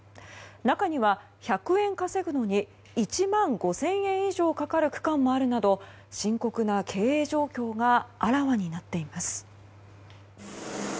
中には１００円稼ぐのに１万５０００円以上かかる区間もあるなど深刻な経営状況があらわになっています。